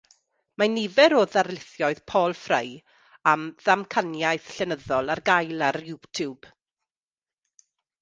Mae nifer o ddarlithoedd Paul Fry am 'ddamcaniaeth llenyddol' ar gael ar YouTube.